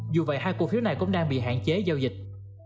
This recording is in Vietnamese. dù vậy hai cổ phiếu này cũng đang bị hạn chế giao dịch